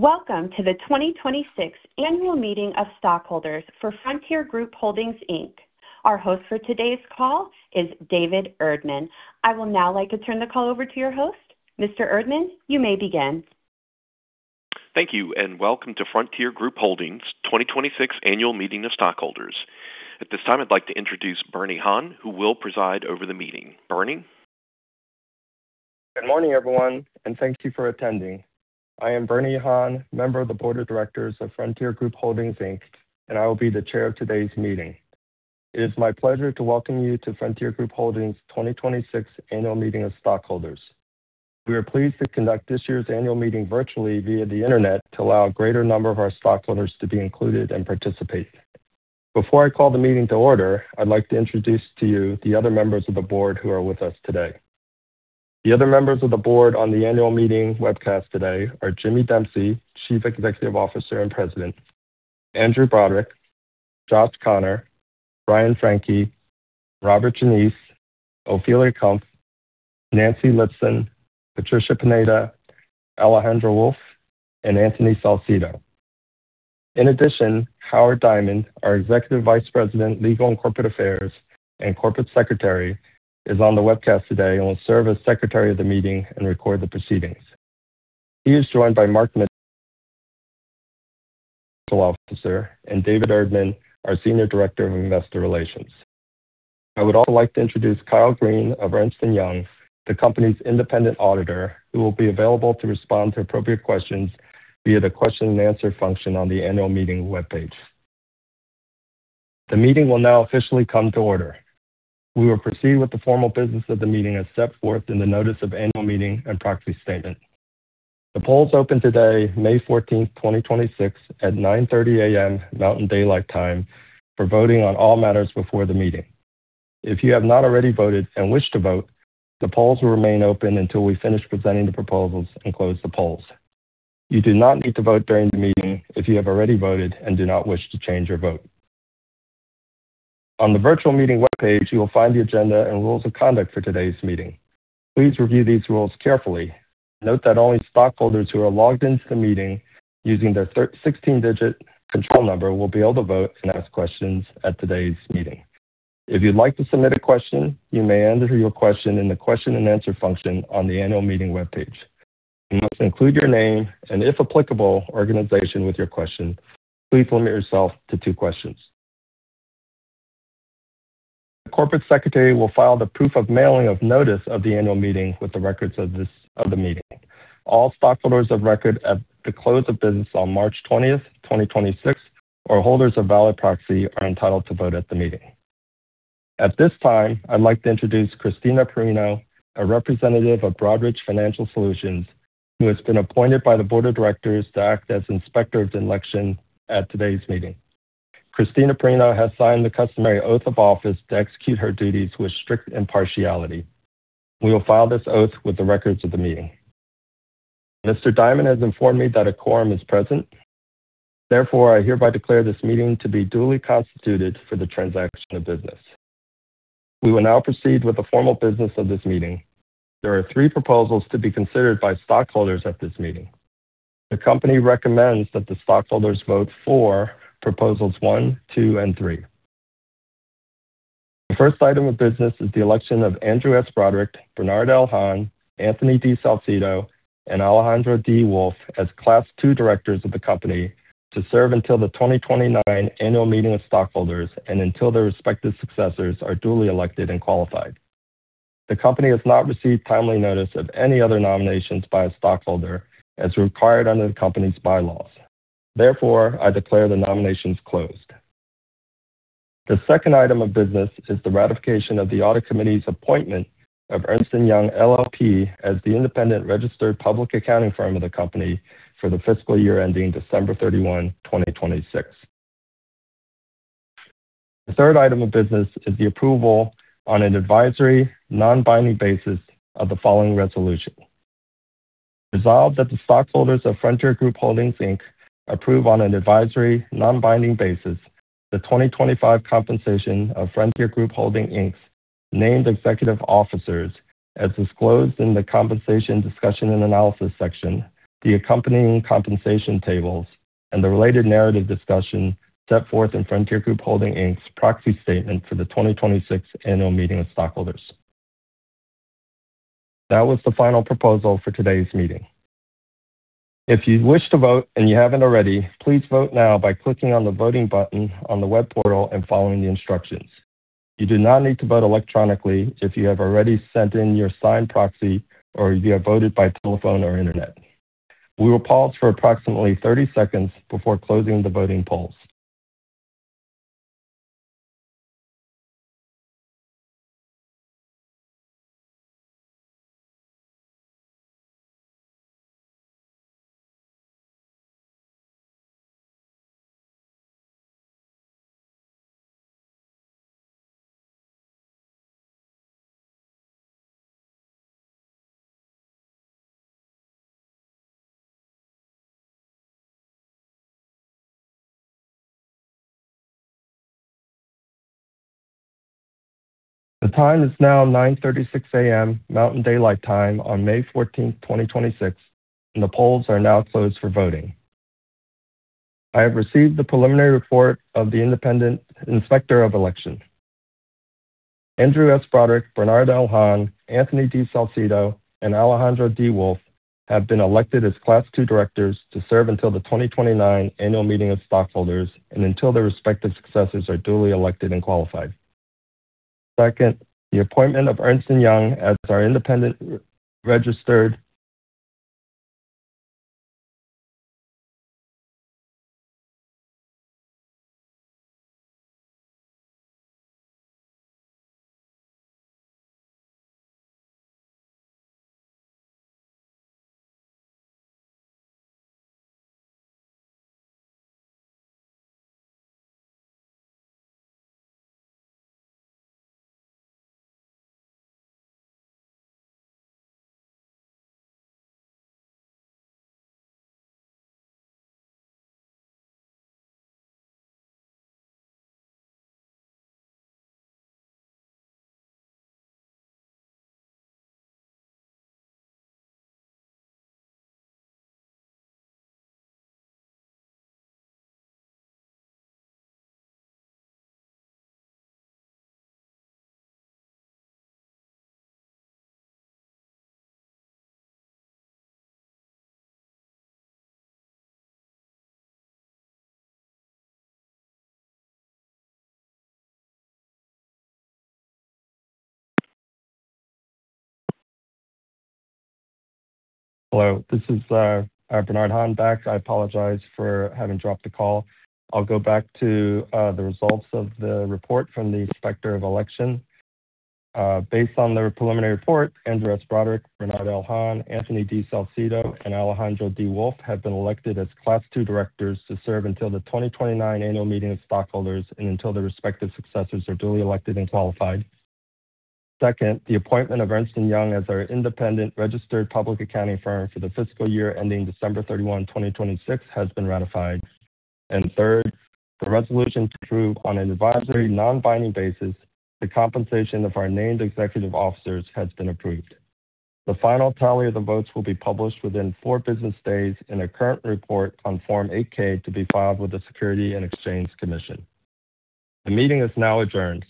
Welcome to the 2026 Annual Meeting of Stockholders for Frontier Group Holdings, Inc. Our host for today's call is David Erdman. I will now like to turn the call over to your host. Mr. Erdman, you may begin. Thank you, and welcome to Frontier Group Holdings 2026 Annual Meeting of Stockholders. At this time, I'd like to introduce Bernie Han, who will preside over the meeting. Bernie? Good morning, everyone, and thank you for attending. I am Bernie Han, member of the Board of Directors of Frontier Group Holdings, Inc., and I will be the chair of today's meeting. It is my pleasure to welcome you to Frontier Group Holdings 2026 Annual Meeting of Stockholders. We are pleased to conduct this year's Annual Meeting virtually via the Internet to allow a greater number of our stockholders to be included and participate. Before I call the meeting to order, I'd like to introduce to you the other members of the Board who are with us today. The other members of the Board on the Annual Meeting webcast today are Jimmy Dempsey, Chief Executive Officer and President; Andrew Broderick, Josh Connor, Brian Franke, Robert Genise, Ofelia Kumpf, Nancy Lipson, Patricia Pineda, Alejandro Wolff, and Anthony Salcido. Howard Diamond, our Executive Vice President, Legal and Corporate Affairs and Corporate Secretary, is on the webcast today and will serve as Secretary of the meeting and record the proceedings. He is joined by Mark Mitchell, Officer, and David Erdman, our Senior Director of Investor Relations. I would also like to introduce Kyle Green of Ernst & Young, the company's independent auditor, who will be available to respond to appropriate questions via the question and answer function on the Annual Meeting webpage. The meeting will now officially come to order. We will proceed with the formal business of the meeting as set forth in the Notice of Annual Meeting and Proxy Statement. The polls opened today, May 14th, 2026, at 9:30 A.M. Mountain Daylight Time for voting on all matters before the meeting. If you have not already voted and wish to vote, the polls will remain open until we finish presenting the proposals and close the polls. You do not need to vote during the meeting if you have already voted and do not wish to change your vote. On the virtual meeting webpage, you will find the agenda and rules of conduct for today's meeting. Please review these rules carefully. Note that only stockholders who are logged into the meeting using their 16-digit control number will be able to vote and ask questions at today's meeting. If you'd like to submit a question, you may enter your question in the question and answer function on the annual meeting webpage. You must include your name and, if applicable, organization with your question. Please limit yourself to two questions. Corporate secretary will file the proof of mailing of notice of the annual meeting with the records of the meeting. All stockholders of record at the close of business on March 20th, 2026, or holders of valid proxy are entitled to vote at the meeting. At this time, I'd like to introduce Christina Perino, a representative of Broadridge Financial Solutions, who has been appointed by the board of directors to act as Inspector of Election at today's meeting. Christina Perino has signed the customary oath of office to execute her duties with strict impartiality. We will file this oath with the records of the meeting. Mr. Diamond has informed me that a quorum is present. I hereby declare this meeting to be duly constituted for the transaction of business. We will now proceed with the formal business of this meeting. There are three proposals to be considered by stockholders at this meeting. The company recommends that the stockholders vote for proposals one, two, and three. The first item of business is the election of Andrew S. Broderick, Bernard L. Han, Anthony D. Salcido, and Alejandro D. Wolff as Class 2 Directors of the company to serve until the 2029 annual meeting of stockholders and until their respective successors are duly elected and qualified. The company has not received timely notice of any other nominations by a stockholder as required under the company's bylaws. Therefore, I declare the nominations closed. The second item of business is the ratification of the audit committee's appointment of Ernst & Young LLP as the independent registered public accounting firm of the company for the fiscal year ending December 31, 2026. The third item of business is the approval on an advisory, non-binding basis of the following resolution. Resolved that the stockholders of Frontier Group Holdings, Inc. approve on an advisory, non-binding basis the 2025 compensation of Frontier Group Holdings, Inc.'s named executive officers as disclosed in the compensation discussion and analysis section, the accompanying compensation tables, and the related narrative discussion set forth in Frontier Group Holdings, Inc.'s proxy statement for the 2026 annual meeting of stockholders. That was the final proposal for today's meeting. If you wish to vote, and you haven't already, please vote now by clicking on the voting button on the web portal and following the instructions. You do not need to vote electronically if you have already sent in your signed proxy or you have voted by telephone or Internet. We will pause for approximately 30 seconds before closing the voting polls. The time is now 9:36 A.M., Mountain Daylight Time on May 14th, 2026, and the polls are now closed for voting. I have received the preliminary report of the independent inspector of election. Andrew S. Broderick, Bernard L. Han, Anthony D. Salcido, and Alejandro D. Wolff have been elected as Class 2 directors to serve until the 2029 annual meeting of stockholders and until their respective successors are duly elected and qualified. Second, the appointment of Ernst & Young as our independent registered. Hello, this is Bernard Han back. I apologize for having dropped the call. I'll go back to the results of the report from the inspector of election. Based on their preliminary report, Andrew S. Broderick, Bernard L. Han, Anthony D. Salcido, and Alejandro D. Wolff have been elected as Class 2 Directors to serve until the 2029 annual meeting of stockholders and until their respective successors are duly elected and qualified. Second, the appointment of Ernst & Young as our independent registered public accounting firm for the fiscal year ending December 31, 2026, has been ratified. Third, the resolution to approve on an advisory, non-binding basis the compensation of our named executive officers has been approved. The final tally of the votes will be published within four business days in a current report on Form 8-K to be filed with the Securities and Exchange Commission. The meeting is now adjourned.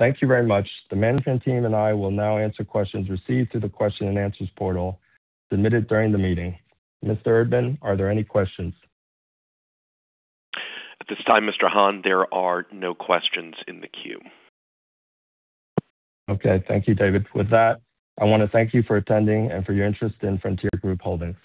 Thank you very much. The management team and I will now answer questions received through the question and answers portal submitted during the meeting. Mr. Erdman, are there any questions? At this time, Mr. Han, there are no questions in the queue. Okay. Thank you, David. With that, I wanna thank you for attending and for your interest in Frontier Group Holdings.